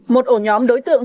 một ổ nhóm đối tượng